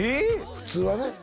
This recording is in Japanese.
普通はね